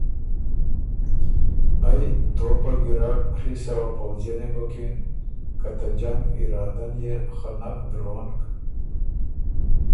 ائ توپهګیرډ ڒی سوه پؤځئنی بُکِن که ته جنګ ارادۀ ن يې خه نک درونک،